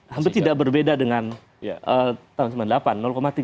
hampir tidak berbeda dengan tahun seribu sembilan ratus sembilan puluh delapan tiga puluh sembilan